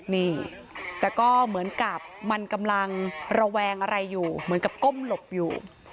นี่แต่ก็เหมือนกับมันกำลังระแวงอะไรอยู่เหมือนกับก้มหลบอยู่